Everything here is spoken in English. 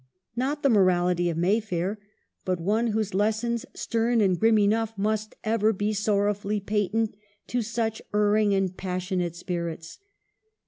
Not the morality of Mayfair, but one whose lessons, stern and grim enough, must ever be sorrowfully patent to such erring and passionate spirits.